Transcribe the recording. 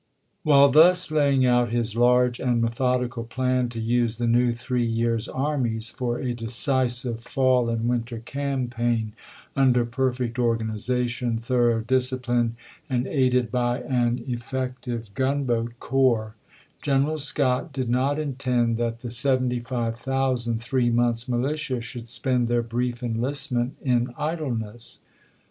WHILE thus laying out his large and method ical plan to use the new three years' armies for a decisive fall and winter campaign under perfect organization, thorough discipline, and aided by an effective gun boat corps, General Scott did not intend that the 75,000 three months' militia should spend their brief enlistment in idleness.